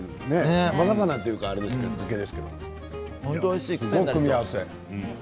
生魚というより漬けですけどすごい組み合わせ。